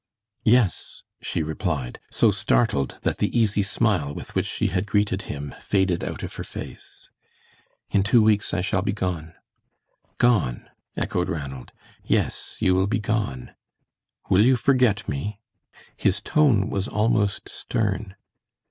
"Yes," she replied, so startled that the easy smile with which she had greeted him faded out of her face. "In two weeks I shall be gone." "Gone!" echoed Ranald. "Yes, you will be gone. Will you forget me?" His tone was almost stern.